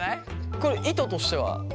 これ意図としては？